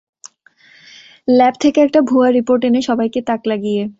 Lab থেকে একটা ভুয়া রিপোর্ট এনে সবাইকে তাক লাগিয়ে।